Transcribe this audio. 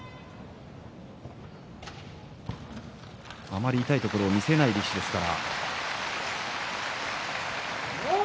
あんまり痛いところを見せない力士ですから。